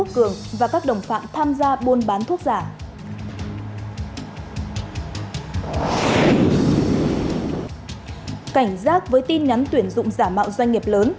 cảnh giác với tin nhắn tuyển dụng giả mạo doanh nghiệp lớn